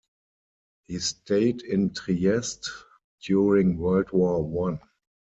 He stayed in Trieste during World War One.